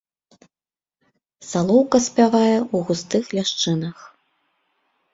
Салоўка спявае ў густых ляшчынах.